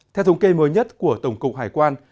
theo thông kê mới nhất của tổng cụ hải quân